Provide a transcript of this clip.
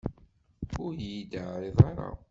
Ur yi-d-yeɛriḍ ara.